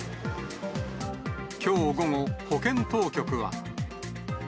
きょう午後、保健当局は。